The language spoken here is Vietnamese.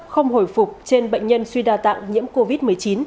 không hồi phục trên bệnh nhân suy đa tạng nhiễm covid một mươi chín